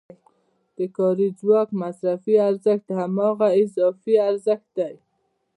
د کاري ځواک مصرفي ارزښت هماغه اضافي ارزښت دی